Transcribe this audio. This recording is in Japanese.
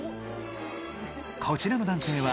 こちらの男性は、